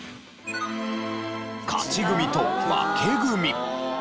勝ち組と負け組。